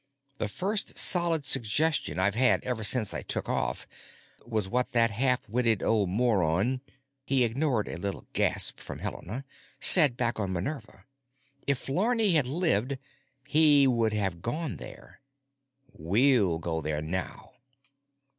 The first solid suggestion I've had ever since I took off was what that half witted old moron——" He ignored a little gasp from Helena. "——said back on 'Minerva.' If Flarney had lived, he would have gone there; we'll go there now."